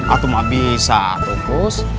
ah cuma bisa tumpus